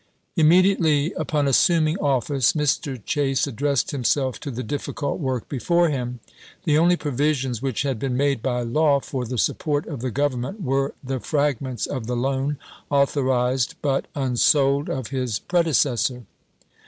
Immediately upon assuming ofl&ce Mr. Chase ad dressed himself to the difficult work before him. The only provisions which had been made by law for the support of the Government were the frag ments of the loan, authorized, but unsold, of his predecessor.